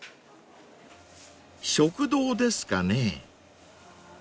［食堂ですかね］